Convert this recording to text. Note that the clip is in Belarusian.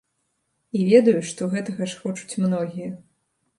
І ведаю, што гэтага ж хочуць многія.